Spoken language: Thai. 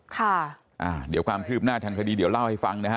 ค่ะอ่าเดี๋ยวความคืบหน้าทางคดีเดี๋ยวเล่าให้ฟังนะฮะ